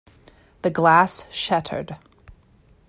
The glass shattered.